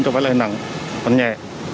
trong các lợi nặng phần nhẹ